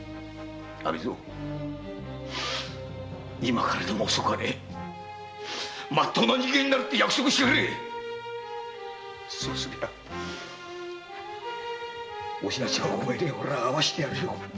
今からでも遅くはねぇまっとうな人間になると約束してくれそうすりゃお品ちゃんをお前に会わせてやるよ。